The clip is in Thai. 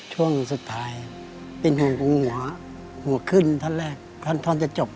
ช่วงสุดท้ายเป็นห่วงหัวหัวขึ้นท่อนแรกท่านจะจบ